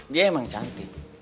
dia emang cantik